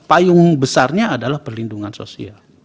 payung besarnya adalah perlindungan sosial